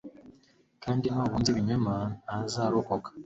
kandi n'ubunza ibinyoma ntazarokoka